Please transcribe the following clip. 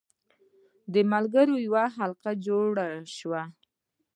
د ملګرو یوه حلقه جوړه شوه.